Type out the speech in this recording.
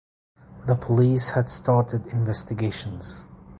The police had started investigations.